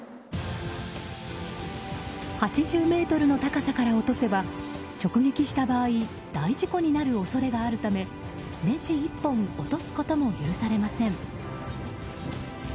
８０ｍの高さから落とせば直撃した場合大事故になる恐れがあるためネジ１本落とすことも許されません。